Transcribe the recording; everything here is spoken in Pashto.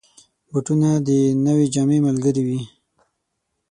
بوټونه د نوې جامې ملګري وي.